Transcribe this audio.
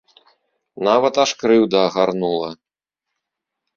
Нават аж крыўда агарнула.